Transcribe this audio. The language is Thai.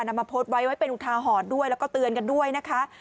มาโพสต์ไว้ไว้เป็นอุทาหรณ์ด้วยแล้วก็เตือนกันด้วยนะคะ